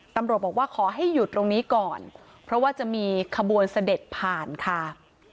ตำรวจบอกว่าขอให้หยุดตรงนี้ก่อนเพราะว่าจะมีขบวนเสด็จผ่านค่ะ